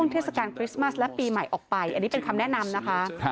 เทศกาลคริสต์มัสและปีใหม่ออกไปอันนี้เป็นคำแนะนำนะคะ